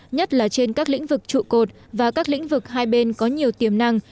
nhất là trên các lĩnh vực trụ cột và các lĩnh vực hai bên có nhiều tiềm năng